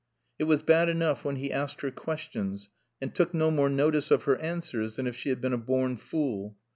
It was bad enough when he asked her questions and took no more notice of her answers than if she had been a born fool.